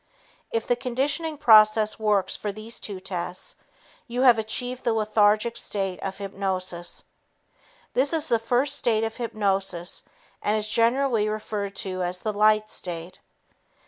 If the conditioning process works for these two tests, you have achieved the lethargic state of hypnosis. This is the first state of hypnosis and is generally referred to as the "light" state.